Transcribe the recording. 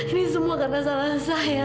ini semua karena salah saya